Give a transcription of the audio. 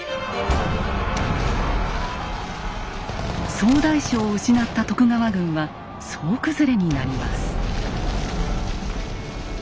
総大将を失った徳川軍は総崩れになります。